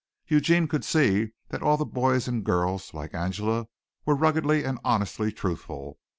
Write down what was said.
Eugene could see that all the boys and girls, like Angela, were ruggedly and honestly truthful.